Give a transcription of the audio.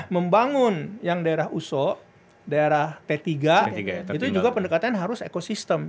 membangun yang daerah uso daerah p tiga itu juga pendekatan harus ekosistem